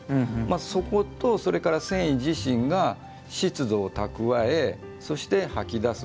そこと、繊維自身が湿度を蓄え、そして吐き出す。